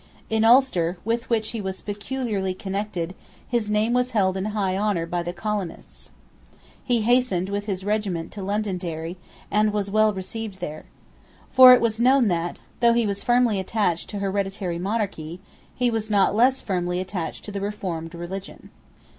In Ulster, with which he was peculiarly connected, his name was held in high honour by the colonists, He hastened with his regiment to Londonderry, and was well received there. For it was known that, though he was firmly attached to hereditary monarchy, he was not less firmly attached to the reformed religion.